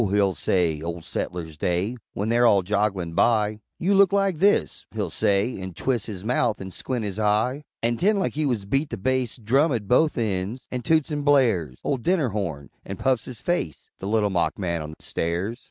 he'll say, Ole Settlers' Day, When they're all jogglin' by, "You look like this," He'll say, an' twis' His mouth an' squint his eye An' 'tend like he wuz beat the bass Drum at both ends an' toots and blares Ole dinner horn an' puffs his face The Little Mock man on the Stairs!